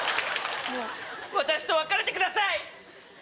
もう私と別れてください！